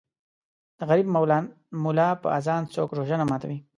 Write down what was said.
د غریب مولا په اذان څوک روژه نه ماتوي